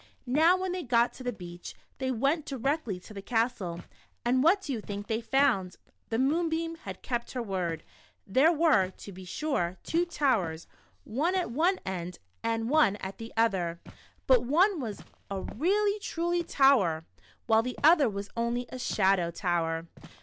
Now when they got to the beach, they went di rectly to the castle, and what do }ou think they found ? The moonbeam had kept her word. There were, to be sure, two towers, one at one end and 98 The Shadow. one at the other, but one was a "really, truly" tower, while the other — was only a ''shadow tower''